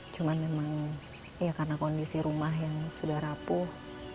cuma memang ya karena kondisi rumah yang sudah rapuh